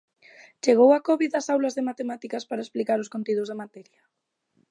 Chegou a Covid ás aulas de matemáticas para explicar os contidos da materia?